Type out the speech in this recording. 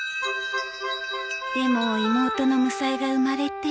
でも妹のむさえが生まれて